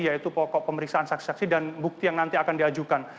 yaitu pokok pemeriksaan saksi saksi dan bukti yang nanti akan diajukan